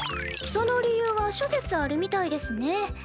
その理由は諸説あるみたいですね。